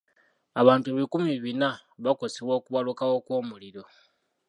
Abantu ebikumi bina baakosebwa okubalukawo kw'omuliro.